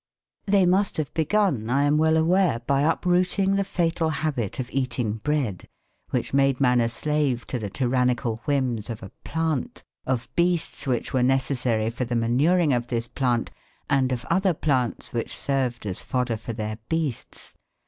They must have begun, I am well aware, by uprooting the fatal habit of eating bread, which made man a slave to the tyrannical whims of a plant, of beasts which were necessary for the manuring of this plant, and of other plants which served as fodder for their beasts....